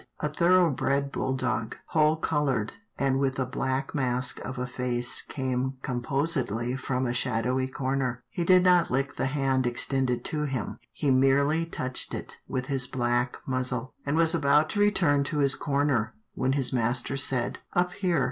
A thoroughbred bulldog, whole coloured, and with a black mask of a face came composedly from a shadowy corner. He did not lick the hand ex tended to him, he merely touched it with his black muzzle, and was about to return to his corner, when his master said, " Up here."